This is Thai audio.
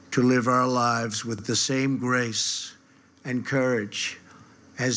ที่นี่เป็นสถานที่สุดท้ายของอเมริกา